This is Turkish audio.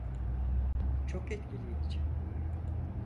Çok etkileyici.